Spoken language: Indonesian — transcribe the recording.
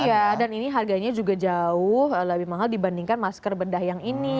iya dan ini harganya juga jauh lebih mahal dibandingkan masker bedah yang ini